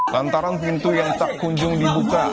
lantaran pintu yang tak kunjung dibuka